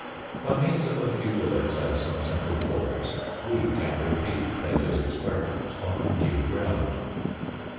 By means of a few words and some simple forms we can repeat Plato's experiment on new ground.